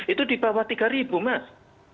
itu di bawah rp tiga mas